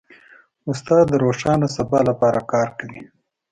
استاد د روښانه سبا لپاره کار کوي.